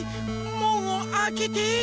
もんをあけて！